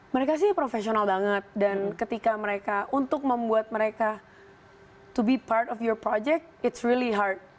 mereka sih profesional banget dan ketika mereka untuk membuat mereka to be part of your project it's really hard